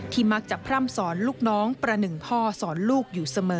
มักจะพร่ำสอนลูกน้องประหนึ่งพ่อสอนลูกอยู่เสมอ